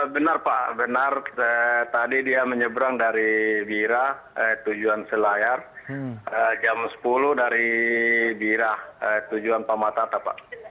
benar pak benar tadi dia menyeberang dari birah tujuan selayar jam sepuluh dari birah tujuan pamatata pak